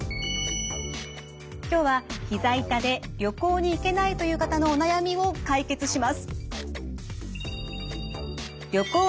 今日はひざ痛で旅行に行けないという方のお悩みを解決します。